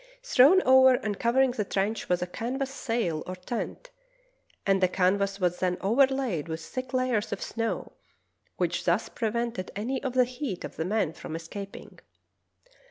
Thrown over and covering the trench was a canvas sail or tent, and the canvas was then overlaid with thick layers of snow, which thus prevented any of the heat of the men from escaping.